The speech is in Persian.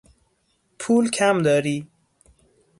پول کم داری؟